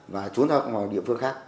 và trốn ra ngoài địa phương khác